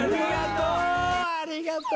ありがとう。